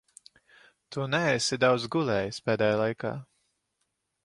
Tu neesi daudz gulējis pēdējā laikā.